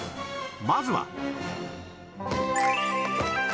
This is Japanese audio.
まずは